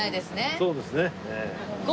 そうですね。